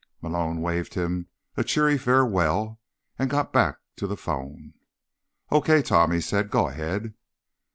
Malone waved him a cheery farewell, and got back to the phone. "Okay, Tom," he said. "Go ahead."